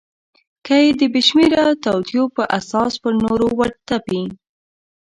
کله یې د بېشمیره توطیو په اساس پر نورو ورتپي.